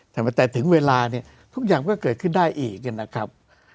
แต่ถึงเวลาเนี่ยทุกอย่างก็เกิดขึ้นได้อีกเนี่ยนะครับ